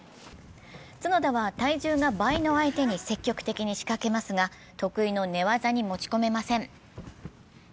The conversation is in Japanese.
角田は体重が倍の相手に席にしかけますが、得意の寝技に持ち込めません。